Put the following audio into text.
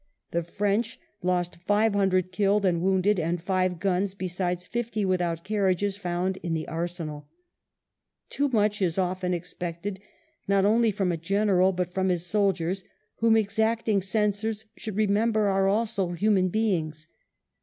The French lost five hundred killed and wounded, and five guns, besides fifty without carriages found in the arsenal Too much is often expected not only from a general, but from his soldiers, whom exacting censors should re member are also human beings.